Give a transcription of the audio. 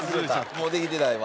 もうできてないわ。